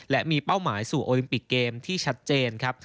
และมีเป้าหมายสู่โอลิมปิกเกมที่ชัดเจนครับ